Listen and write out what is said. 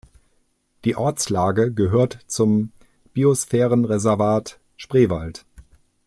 Die Ortslage gehört zum Biosphärenreservat Spreewald.